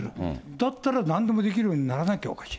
だったらなんでもできるようにならなきゃおかしい。